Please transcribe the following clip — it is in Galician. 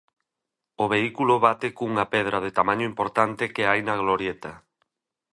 O vehículo bate cunha pedra de tamaño importante que hai na glorieta.